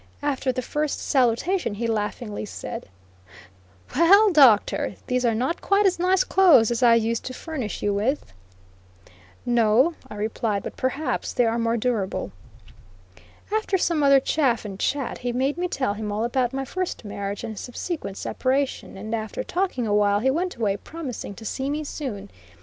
After the first salutation, he laughingly said: "Well, Doctor, those are not quite as nice clothes as I used to furnish you with." "No," I replied, "but perhaps they are more durable." After some other chaff and chat, he made me tell him all about my first marriage and subsequent separation, and after talking awhile he went away, promising to see me soon.